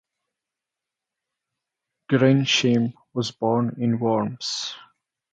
Gernsheim was born in Worms.